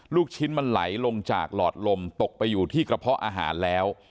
ลูกชิ้นมันไหลลงจากหลอดลมตกไปอยู่ที่กระเพาะอาหารแล้ว